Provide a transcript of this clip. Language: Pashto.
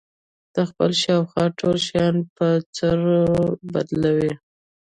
د خپل خواوشا ټول شيان په چرو بدلوي.